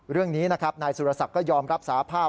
เรื่องนี้นายสุรษัตริย์ก็ยอมรับสาภาพ